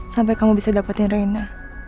sampai kamu bisa dapatin rena